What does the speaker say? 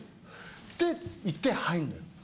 で、１点入るのよ。